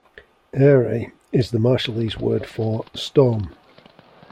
Aere is the Marshallese word for 'storm'.